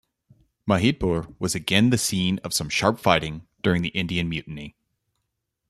Mahidpur was again the scene of some sharp fighting during the Indian Mutiny.